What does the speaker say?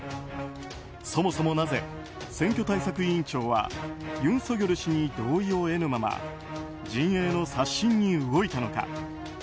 そもそも、なぜ選挙対策委員長はユン・ソギョル氏に同意を得ぬまま陣営の刷新に動いたのか。